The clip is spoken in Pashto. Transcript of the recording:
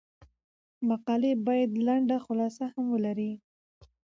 مقالې باید لنډه خلاصه هم ولري.